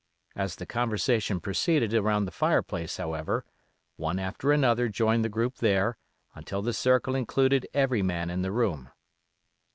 As the conversation proceeded around the fireplace, however, one after another joined the group there, until the circle included every man in the room.